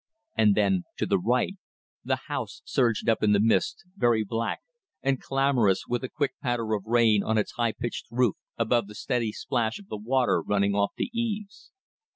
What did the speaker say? And then, to the right, the house surged up in the mist, very black, and clamorous with the quick patter of rain on its high pitched roof above the steady splash of the water running off the eaves.